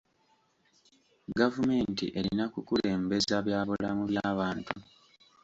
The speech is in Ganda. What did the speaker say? Gavumenti erina kukulembeza bya bulamu by'abantu.